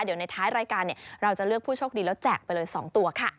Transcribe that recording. เดี๋ยวในท้ายรายการเราจะเลือกผู้โชคดีแล้วแจกไปเลย๒ตัวค่ะ